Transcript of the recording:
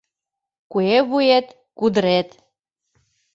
Куэ вует кудырет -